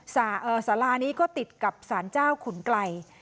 สารานี้ก็ติดกับสารเจ้าขุนไกล